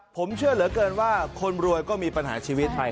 ผมเชื่อเหลือเกินว่าคนรวยก็มีปัญหาชีวิตไทย